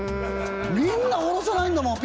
みんな下ろさないんだもん